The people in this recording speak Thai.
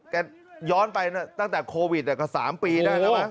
ย้อนไปตั้งแต่โควิดก็๓ปีได้แล้วมั้